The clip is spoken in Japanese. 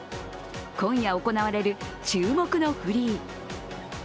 今夜行われる注目のフリー。